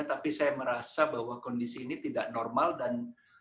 tapi saya merasa bahwa kondisi ini tidak normal dan